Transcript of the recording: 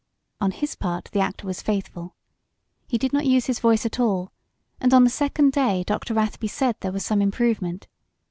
On his part the actor was faithful. He did not use his voice at all, and on the second day Dr. Rathby said there was some improvement.